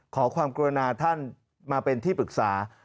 ขอความกรุณาท่านมาเป็นที่ปรึกษา